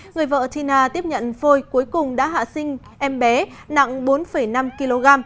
người vợ tina tiếp nhận phôi cuối cùng đã hạ sinh em bé nặng bốn năm kg